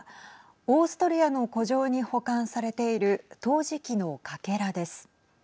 オーストリアの古城に保管されている陶磁器のかけらです。